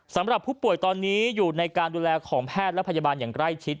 สำหรับผู้ป่วยตอนนี้อยู่ในการดูแลของแพทย์และพยาบาลอย่างใกล้ชิด